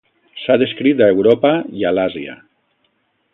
S'ha descrit a Europa, i a l'Àsia.